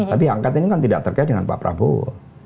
tapi angket ini kan tidak terkait dengan pak prabowo